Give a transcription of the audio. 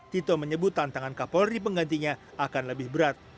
tito menyebut tantangan kak polri penggantinya akan lebih berat